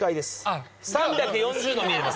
３４０度見えます